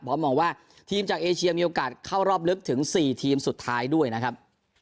มองว่าทีมจากเอเชียมีโอกาสเข้ารอบลึกถึง๔ทีมสุดท้ายด้วยนะครับ